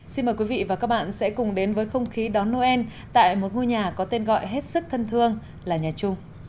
xin mời quý vị và các bạn sẽ cùng đến với không khí đón noel tại một ngôi nhà có tên gọi hết sức thân thương là nhà trung